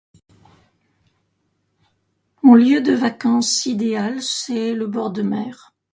Mon lieu de vacances idéal c'est le bord de mer.